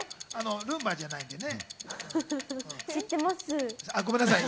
ルンバじゃないんでね。